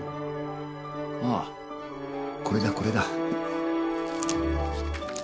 ああこれだこれだ。